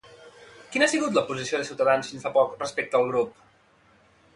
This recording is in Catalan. Quina ha sigut la posició de Cs fins fa poc respecte al grup?